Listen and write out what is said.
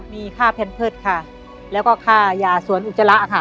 มีค่าแพมเพิร์ตค่ะแล้วก็ค่ายาสวนอุจจาระค่ะ